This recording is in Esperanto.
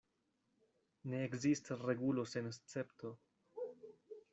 Ne ekzistas regulo sen escepto.